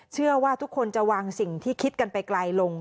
เชื่อว่าทุกคนจะวางสิ่งที่คิดกันไปไกลลง